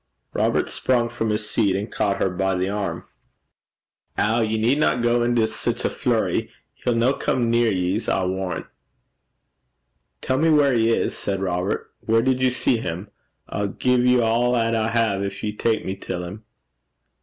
Robert sprung from his seat, and caught her by the arm. 'Ow! ye needna gang into sic a flurry. He'll no come near ye, I s' warran'.' 'Tell me where he is,' said Robert. 'Where did you see him? I'll gie ye a' 'at I hae gin ye'll tak me till him.'